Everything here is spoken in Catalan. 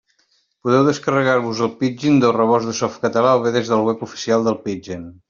Podeu descarregar-vos el Pidgin del rebost de Softcatalà o bé des del web oficial del Pidgin.